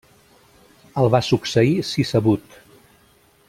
El va succeir Sisebut.